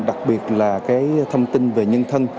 đặc biệt là cái thông tin về nhân thân